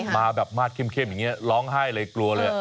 มาแบบมาดเข้มอย่างนี้ร้องไห้เลยกลัวเลย